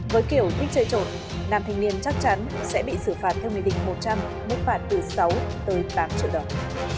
với kiểu thích chơi trộn nam thanh niên chắc chắn sẽ bị xử phạt theo nghị định một trăm linh mức phạt từ sáu tới tám triệu đồng